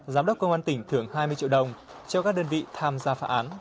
giám đốc công an tỉnh thưởng hai mươi triệu đồng cho các đơn vị tham gia phá án